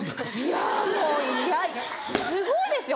いやもういやすごいですよ。